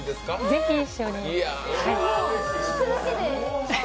ぜひ一緒に。